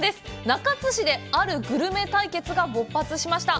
中津市あるグルメ対決が勃発しました。